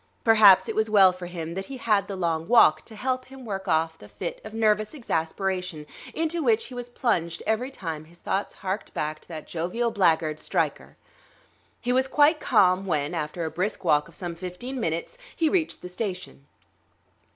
Perhaps it was well for him that he had the long walk to help him work off the fit of nervous exasperation into which he was plunged every time his thoughts harked back to that jovial black guard, Stryker.... He was quite calm when, after a brisk walk of some fifteen minutes, he reached the station.